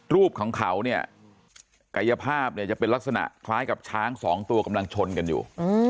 รูปของเขาเนี่ยกายภาพเนี่ยจะเป็นลักษณะคล้ายกับช้างสองตัวกำลังชนกันอยู่